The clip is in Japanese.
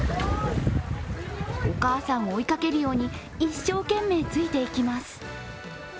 お母さんを追いかけるように一生懸命ついていきます。